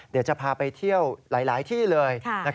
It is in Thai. เดี๋ยวจะพาไปเที่ยวหลายที่เลย